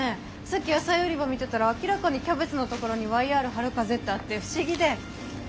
さっき野菜売り場見てたら明らかにキャベツのところにＹＲ春風ってあって不思議で！